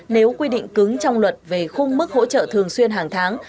nếu quy định cứng trong luật về khung mức hỗ trợ thường xuyên hàng tháng